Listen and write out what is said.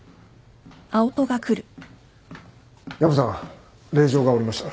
・薮さん令状が下りました。